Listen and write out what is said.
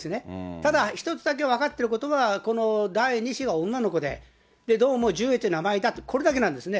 ただ一つだけ分かってることは、この第２子は女の子で、どうもジュエという名前だと、これだけなんですね。